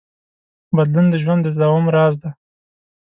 بدلون د ژوند د تداوم راز دی.